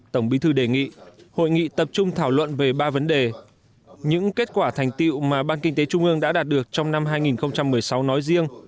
tổng bí thư đề nghị hội nghị tập trung thảo luận về ba vấn đề những kết quả thành tiệu mà ban kinh tế trung ương đã đạt được trong năm hai nghìn một mươi sáu nói riêng